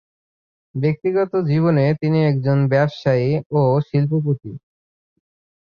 ব্যক্তিগত জীবনে তিনি একজন ব্যবসায়ী ও শিল্পপতি।